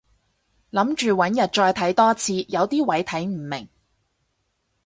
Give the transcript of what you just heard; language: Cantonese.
諗住搵日再睇多次，有啲位睇唔明